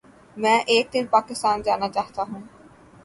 میں ایک دن پاکستان جانا چاہتاہوں